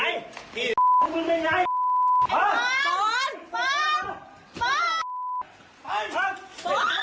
ทีมข่าวของเราเนี่ยได้รับการร้องเรียนมาจากผู้ใช้เฟสบุ๊คลายนึง